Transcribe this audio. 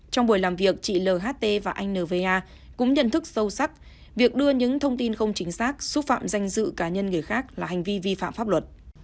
trong buổi làm việc chị l h t và anh n v a cũng nhận thức sâu sắc việc đưa những thông tin không chính xác xúc phạm danh dự cá nhân người khác là hành vi vi phạm pháp luật